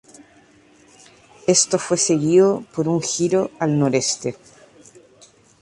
Esto fue seguido por un giro al noreste.